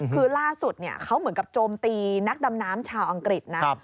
คือล่าสุดเขาเหมือนกับโจมตีนักดำน้ำชาวอังกฤษนะ